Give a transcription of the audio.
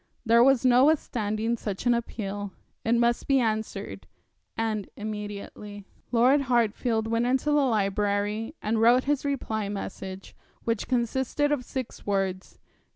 There was no withstanding such an appeal. It must be answered, and immediately. Lord Hartfield went into the library and wrote his reply message, which consisted of six words.